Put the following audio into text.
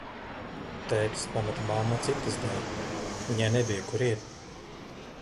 Tētis pameta mammu citas dēļ, viņai nebija, kur iet.